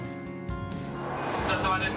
お疲れさまです。